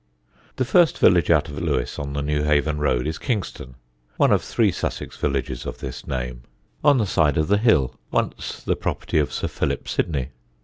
The first village out of Lewes on the Newhaven road is Kingston (one of three Sussex villages of this name), on the side of the hill, once the property of Sir Philip Sidney.